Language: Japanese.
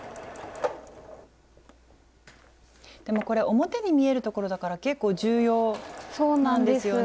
でもこれ表に見えるところだから結構重要なんですよね。